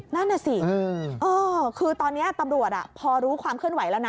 นั่นน่ะสิคือตอนนี้ตำรวจพอรู้ความเคลื่อนไหวแล้วนะ